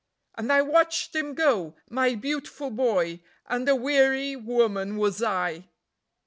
And I watched him go, my beautiful boy, and a weary woman was I.